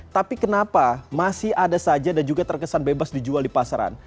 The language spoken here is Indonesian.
tapi kenapa masih ada saja dan juga terkesan bebas dijual di pasaran